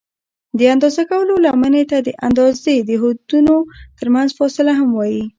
د اندازه کولو لمنې ته د اندازې د حدونو ترمنځ فاصله هم وایي.